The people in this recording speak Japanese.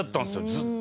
ずっと。